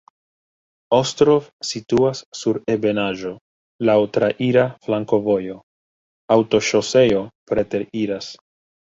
Ostrov situas sur ebenaĵo, laŭ traira flankovojo, aŭtoŝoseo preteriras.